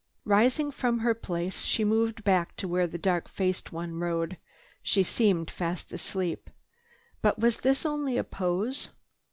Rising from her place, she moved back to where the dark faced one rode. She seemed fast asleep. But was this only a pose?